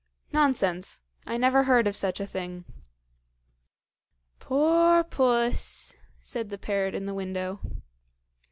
"Nonsense! I never heard of such a thing." "Poor puss!" said the parrot in the window.